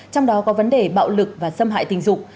trong đó có vấn đề bạo lực và xâm hại tình dục